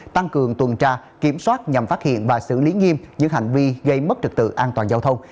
tăng cường tuần tra kiểm soát nhằm phát hiện và xử lý nghiêm những hành vi gây mất trực tự an toàn giao thông